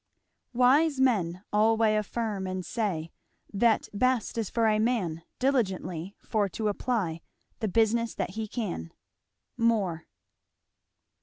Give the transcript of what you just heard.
Wise men alway Affyrme and say, That best is for a man Diligently, For to apply, The business that he can. More.